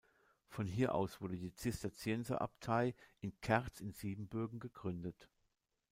Von hier aus wurde die Zisterzienserabtei in Kerz in Siebenbürgen gegründet.